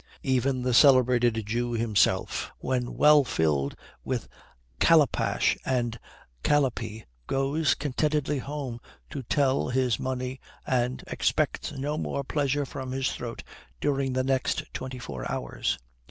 Even the celebrated Jew himself, when well filled with calipash and calipee, goes contentedly home to tell his money, and expects no more pleasure from his throat during the next twenty four hours.